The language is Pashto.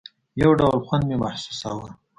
يو ډول خوند مې محسوساوه.